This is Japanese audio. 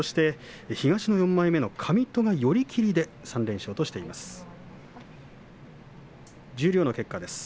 東の４枚目上戸が寄り切りで３連勝としています。